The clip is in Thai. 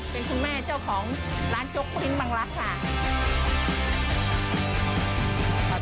เป็นคุณแม่เจ้าของร้านจกปิ้งบังลักษณ์ค่ะ